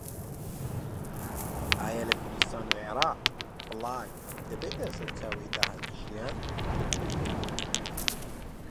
ئایا لە کوردستان و عێراق بڵاگ دەبێتە سەرچاوەی داهاتی ژیان؟